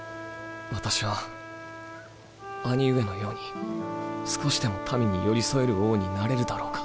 私は兄上のように少しでも民に寄り添える王になれるだろうか。